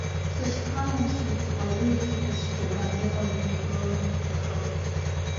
Сышԥалымсыц, аулицақәа цәгьала иҟами, ыы, ыҳы.